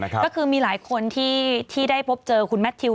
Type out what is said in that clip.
ก็คือมีหลายคนที่ได้พบเจอคุณแมททิว